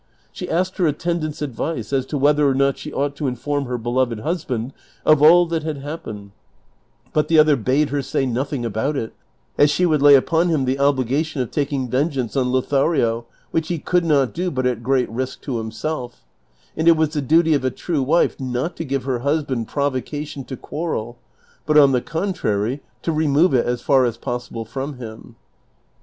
She asked her attendant's advice as to whether or not she ought to inform her beloved husband of all that had happened, but the other bade her say nothing about it, as she would lay uijon him the obligation of taking vengeance on Lothario, which he could not do but at great risk to himself ; and it was the dutv of a true wife not to give her husband provocation to quarrel, hni, on the contrai y, to remove it as far as possible from him.